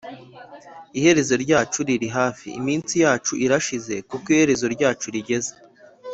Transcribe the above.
Iherezo ryacu riri hafi, Iminsi yacu irashize, Kuko iherezo ryacu rigeze.